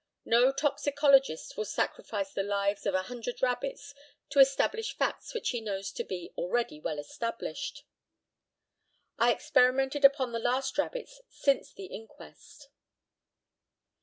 No toxicologist will sacrifice the lives of a hundred rabbits to establish facts which he knows to be already well established. I experimented upon the last rabbits since the inquest.